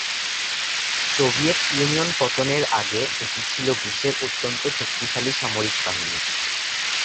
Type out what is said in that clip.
Soviet Union পতনের আগে এটি ছিল বিশ্বের অত্যন্ত শক্তিশালী সামরিক বাহিনী।